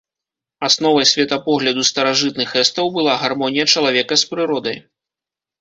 Асновай светапогляду старажытных эстаў была гармонія чалавека з прыродай.